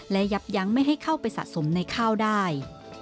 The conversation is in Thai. และยับยั้งไม่ให้เข้าไปสะสมในข้าวได้